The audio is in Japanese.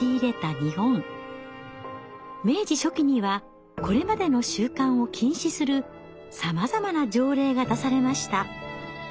明治初期にはこれまでの習慣を禁止するさまざまな条例が出されました。